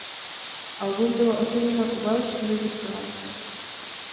Album bylo oceněno Welsh Music Prize.